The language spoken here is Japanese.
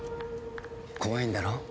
怖いんだろう？